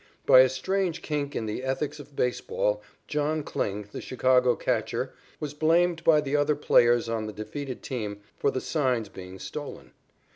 By a strange kink in the ethics of baseball John Kling, the Chicago catcher, was blamed by the other players on the defeated team for the signs being stolen.